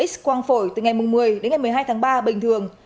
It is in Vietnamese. x quang phổi từ ngày một mươi đến ngày một mươi hai tháng ba bình thường